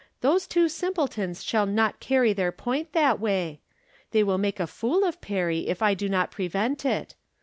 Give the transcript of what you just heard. Those two simpletons shall not carry their point that way. They wUl make a fool of Perry if I do not prevent it.